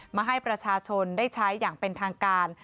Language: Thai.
มาให้ประชาชนได้ใช้อย่างเป็นทางการ